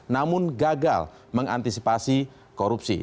namun gagal mengantisipasi korupsi